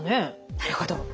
なるほど。